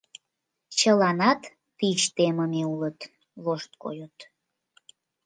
Чыланат тич темыме улыт, вошт койыт.